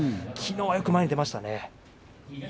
きのうはよく前へ出ましたね。